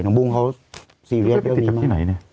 น้องบุ้งก็ซีเรียสเรื่องนี้มาก